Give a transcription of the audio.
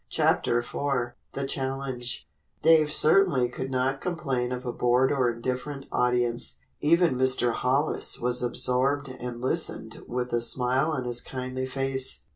CHAPTER IV THE CHALLENGE Dave certainly could not complain of a bored or indifferent audience. Even Mr. Hollis was absorbed and listened with a smile on his kindly face.